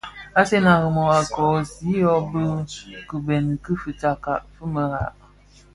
Asen a Rimoh a koosi yü bi kibeňi ki fitsakka fi merad.